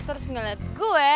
terus ngeliat gue